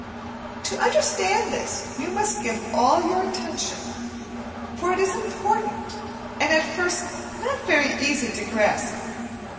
To understand this you must give all your attention, for it is important and at first not very easy to grasp.